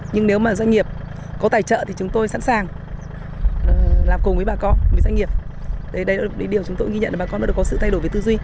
nhưng nếu mà doanh nghiệp có tài trợ thì chúng tôi sẵn sàng làm cùng với bà con với doanh nghiệp đấy là điều chúng tôi ghi nhận là bà con có sự thay đổi về tư duy